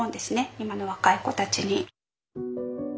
今の若い子たちに。